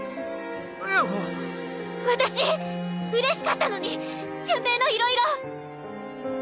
私うれしかったのに潤平のいろいろ。